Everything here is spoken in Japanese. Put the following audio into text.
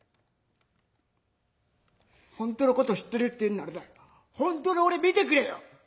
「本当のこと知ってるって言うんならな本当の俺見てくれよ！